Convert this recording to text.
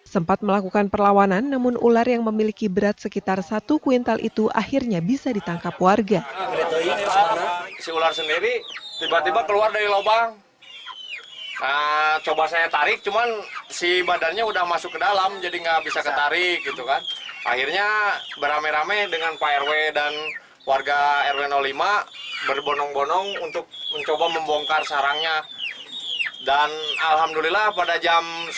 sempat melakukan perlawanan namun ular yang memiliki berat sekitar satu kuintal itu akhirnya bisa ditangkap warga